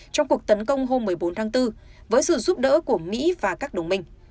trong cuộc tấn công hôm một mươi bốn tháng bốn với sự giúp đỡ của mỹ và các đồng minh